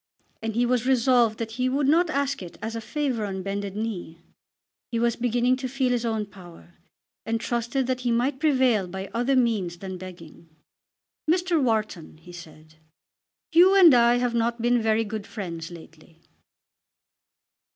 And he was resolved that he would not ask it as a favour on bended knee. He was beginning to feel his own power, and trusted that he might prevail by other means than begging. "Mr. Wharton," he said, "you and I have not been very good friends lately."